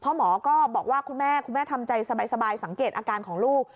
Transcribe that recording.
หมอก็บอกว่าคุณแม่คุณแม่ทำใจสบายสังเกตอาการของลูก